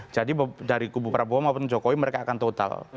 jadi dari kubu prabowo maupun jokowi mereka akan total